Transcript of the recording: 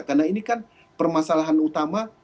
karena ini kan permasalahan utama